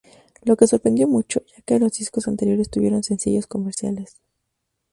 Lo que sorprendió mucho, ya que los discos anteriores tuvieron sencillos comerciales.